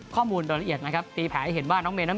ข้อมูลรละเอียดนะครับตีแผลให้เห็นว่าน้องเมน่อมีโอกาส